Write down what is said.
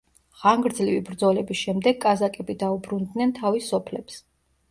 ხანგრძლივი ბრძოლების შემდეგ კაზაკები დაუბრუნდნენ თავის სოფლებს.